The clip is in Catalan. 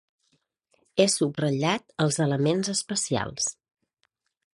He subratllat els elements especials.